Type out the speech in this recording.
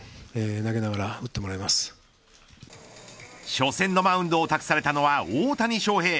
初戦のマウンドを託されたのは大谷翔平。